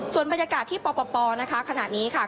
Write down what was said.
ส่วนบรรยากาศที่ปปนะคะขณะนี้ค่ะ